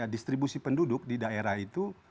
distribusi penduduk di daerah itu